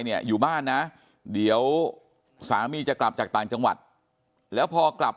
อยู่บ้านนะเดี๋ยวสามีจะกลับจากต่างจังหวัดแล้วพอกลับ